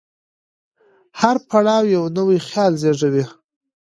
هر پړاو یو نوی خیال زېږولی.